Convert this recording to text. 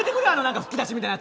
吹き出しみたいなやつ。